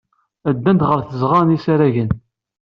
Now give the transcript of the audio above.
Ddant ɣer tzeɣɣa n yisaragen.